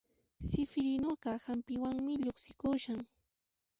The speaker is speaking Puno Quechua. Sifirinuqa hampiwanmi llusikushan